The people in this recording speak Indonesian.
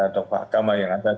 tokoh agama yang ada